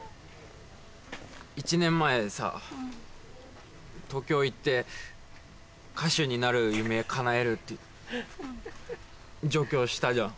１年前さ東京行って歌手になる夢かなえるって上京したじゃん。